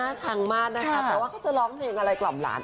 ชังมากนะคะแต่ว่าเขาจะร้องเพลงอะไรกล่อมหลาน